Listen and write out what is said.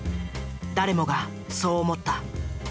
誰もがそう思った。